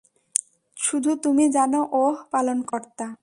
শুধু তুমি জানো ওহ পালনকর্তা!